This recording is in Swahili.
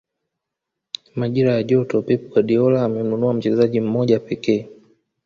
majira ya joto pep guardiola amemnunua mchezaji mmoja pekee